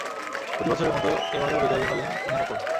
প্রতি বছরের মতো এবারও বিজয়ী হলেন টিনা কাপুর।